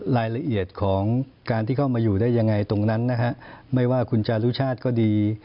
รายละเอียดของการที่เข้ามาอยู่ได้ยังไงตรงนั้นนะฮะไม่ว่าคุณจารุชาติก็ดี